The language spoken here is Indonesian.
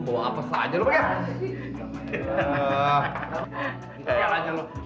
lo bawa apa saja lo pakai